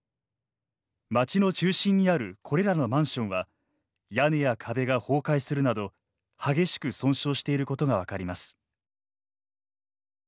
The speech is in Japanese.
街の中心にあるこれらのマンションは屋根や壁が崩壊するなど激しく損傷していることが分かります。